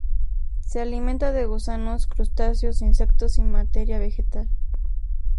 Se alimenta de gusanos, crustáceos, insectos y materia vegetal.